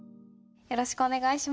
よろしくお願いします。